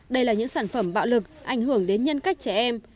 đây là những sản phẩm bạo lực ảnh hưởng đến nhân cách trẻ em